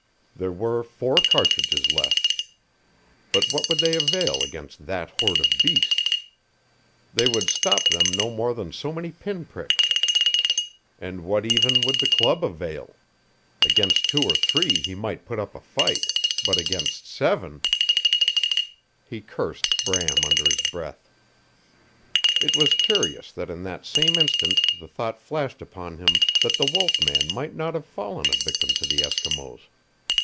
There were four cartridges left. But what would they avail against that horde of beasts! They would stop them no more than so many pin pricks. And what even would the club avail? Against two or three he might put up a fight. But against seven He cursed Bram under his breath. It was curious that in that same instant the thought flashed upon him that the wolf man might not have fallen a victim to the Eskimos.